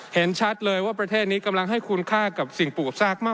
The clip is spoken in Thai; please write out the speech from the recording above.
เห็นชัดเลยว่าประเทศนี้กำลังให้คุณค่ากับสิ่งปลูกซากมาก